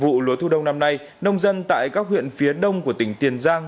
vụ lúa thu đông năm nay nông dân tại các huyện phía đông của tỉnh tiền giang